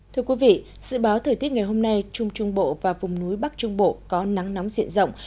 thưa quý vị dự báo thời tiết ngày hôm nay trung trung bộ và vùng núi bắc trung bộ có nắng nóng diện rộng